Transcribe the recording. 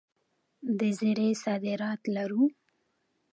د زیرې صادرات لرو؟